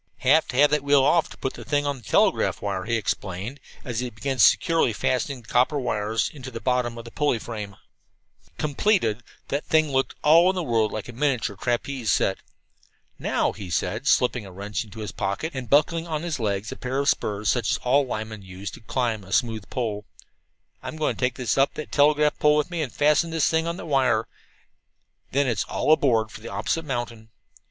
"Have to have that wheel off to put the thing on the telegraph wire," he explained, as he began securely fastening the copper wires into the bottom of the pulley frame. Completed, the thing looked for all the world like a miniature trapeze seat. "Now," he said, slipping a wrench into his pocket, and buckling on his legs a pair of spurs such as all linemen use to climb a smooth pole, "I'm going to take this up that telegraph pole with me and fasten this thing on the wire. Then it's 'All aboard for the opposite mountain.'